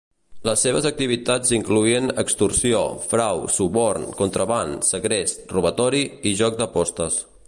Les seves activitats incloïen extorsió, frau, suborn, contraban, segrest, robatori i joc d'apostes.